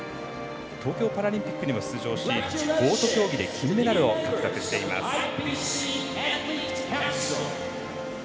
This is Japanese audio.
東京パラリンピックにも出場しボート競技で金メダルを獲得しています。